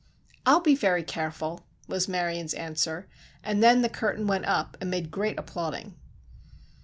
"I'll be very careful," was Marion's answer, and then the curtain went up amid great applauding.